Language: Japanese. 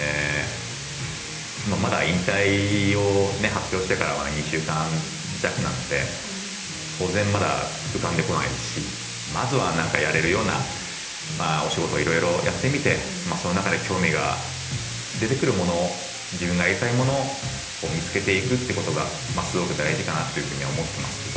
まだ引退を発表してから２週間弱なので、当然、まだ浮かんでこないですし、まずはやれるようなお仕事をいろいろやってみてその中で興味が出てくるものを自分のやりたいものを見つけていくことがすごく大事かなと思っていますけど。